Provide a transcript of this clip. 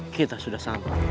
kita sudah sampai